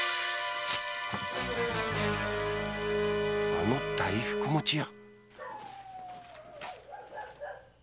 あの大福もち屋！